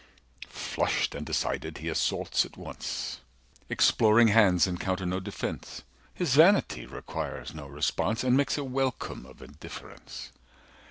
Flushed and decided, he assaults at once; Exploring hands encounter no defence; 240 His vanity requires no response, And makes a welcome of indifference.